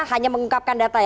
hanya mengungkapkan data